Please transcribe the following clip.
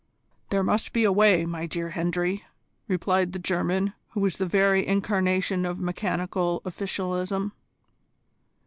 "There must be a way, my dear Hendry," replied the German, who was the very incarnation of mechanical officialism.